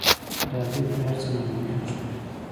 تر هغې پورې هر څه ناممکن ښکاري.